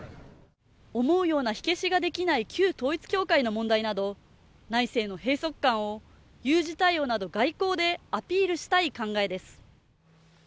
思うような火消しができない旧統一教会の問題など内政の閉塞感を有事対応など外交でアピールしたい考えです。